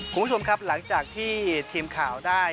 คุณผู้ชมครับหลังจากที่ทีมข่าวได้